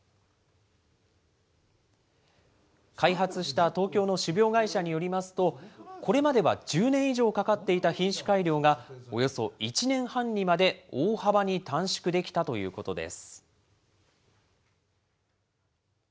開発した東京の種苗会社によりますと、これまでは１０年以上かかっていた品種改良が、およそ１年半にまで大幅に短縮できたということです。